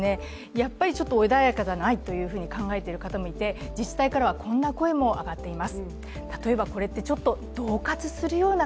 やっぱりちょっと穏やかじゃないと考えているひともいて、自治体からはこんな声も上がっています。